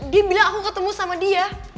dia bilang aku ketemu sama dia